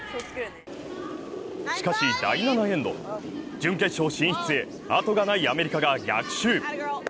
しかし、第７エンド、準決勝進出へ後がないアメリカが逆襲。